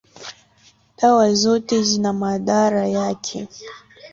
dawa zote zina madhara yake.